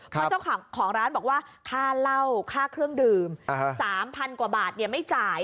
เพราะเจ้าของร้านบอกว่าค่าเหล้าค่าเครื่องดื่ม๓๐๐กว่าบาทไม่จ่าย